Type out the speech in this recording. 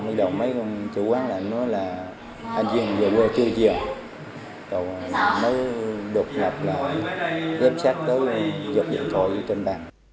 bây giờ mấy chủ quán nói là anh duyên về quê chưa chiều rồi mới được lập lại giếp sát tới dựa dạy thổi trên bàn